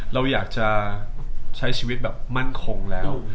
เราอยากจะใช้ชีวิตแบบมั่นคงแล้ว